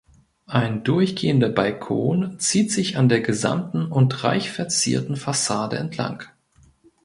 Ein durchgehender Balkon zieht sich an der gesamten und reich verzierten Fassade entlang.